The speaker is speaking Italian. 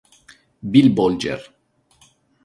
Bill Bolger